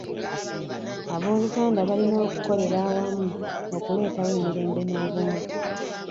Abooluganda balina okukolera awamu okuleetawo emirembe n'obumu.